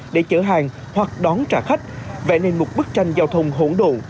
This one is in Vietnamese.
để chở hàng hoặc đón trả khách vẽ nên một bức tranh giao thông hỗn độ